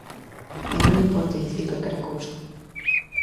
E non lle importa dicir calquera cousa.